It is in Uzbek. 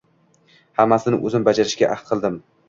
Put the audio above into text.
Hammasini o`zim bajarishga ahd qildim